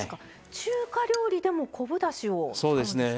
中華料理でも昆布だしを使うんですか。